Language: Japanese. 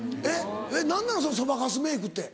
何なのそのそばかすメークって。